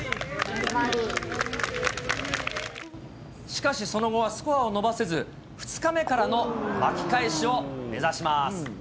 しかしその後はスコアを伸ばせず、２日目からの巻き返しを目指します。